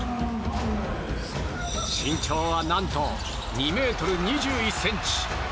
身長は何と、２ｍ２１ｃｍ！